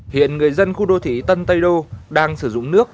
hiện người dân khu đô thị tân tây đô đang sử dụng nước